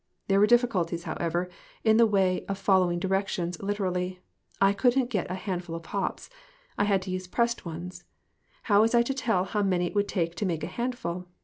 There were difficulties, however, in the way of following directions liter ally. I couldn't get a 'handful of hops.' I had to use pressed ones. How was I to tell how many it would take to make a handful